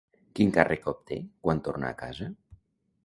Quin càrrec obté quan torna a casa?